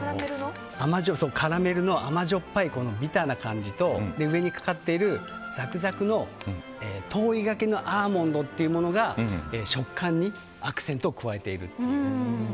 カラメルの甘じょっぱいビターな感じと上にかかっているザクザクの糖衣がけのアーモンドというものが食感にアクセントを加えているという。